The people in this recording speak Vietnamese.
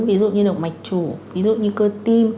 ví dụ như là mạch chủ ví dụ như cơ tim